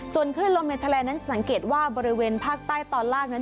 ส่วนคลื่นลมในทะเลนั้นสังเกตว่าบริเวณภาคใต้ตอนล่างนั้น